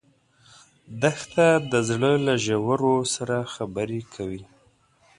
دښته د زړه له ژورو سره خبرې کوي.